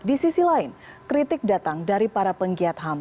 di sisi lain kritik datang dari para penggiat ham